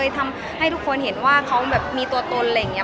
ทุกคนเห็นว่าเขามีตัวตน